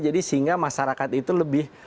jadi sehingga masyarakat itu lebih